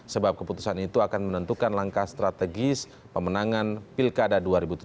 sebab keputusan itu akan menentukan langkah strategis pemenangan pilkada dua ribu tujuh belas